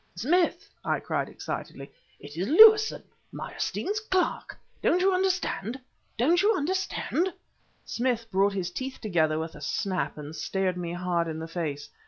"Smith!" I cried excitedly, "it is Lewison, Meyerstein's clerk! Don't you understand? don't you understand?" Smith brought his teeth together with a snap and stared me hard in the face.